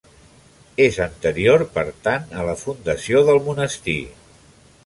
És anterior, per tant, a la fundació del monestir.